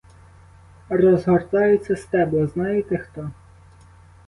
Розгортаються стебла — знаєте хто?